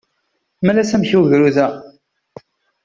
Mel-as amek i ugrud-a.